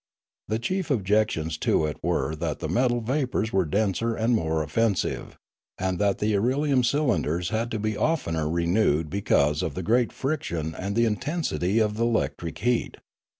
The chief objections to it were that the metal vapours were denser and more offensive, and that the irelium cylinders had to be oftener renewed because of the great friction and the intensity of the electric heat.